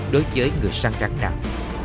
đối với người săn rắn nào